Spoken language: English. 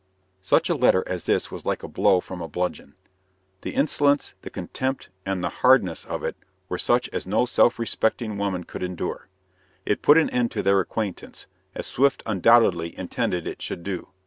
Such a letter as this was like a blow from a bludgeon. The insolence, the contempt, and the hardness of it were such as no self respecting woman could endure. It put an end to their acquaintance, as Swift undoubtedly intended it should do.